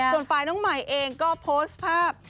ส่วนฝ่ายน้องใหม่เองก็โพสต์ภาพ